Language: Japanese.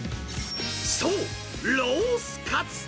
そう、ロースかつ。